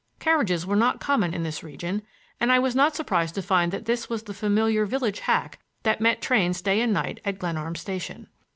Carriages were not common in this region, and I was not surprised to find that this was the familiar village hack that met trains day and night at Glenarm station.